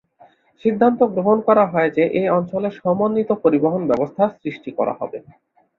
সিদ্ধান্ত গ্রহণ করা হয় যে, এ অঞ্চলে সমন্বিত পরিবহণ ব্যবস্থা সৃষ্টি করা হবে।